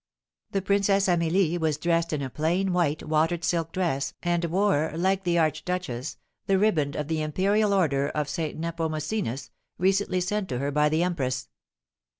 The Princess Amelie was dressed in a plain white watered silk dress, and wore, like the archduchess, the riband of the imperial order of St. Nepomucenus recently sent to her by the empress.